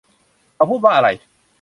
เขาพูดว่าอะไร ?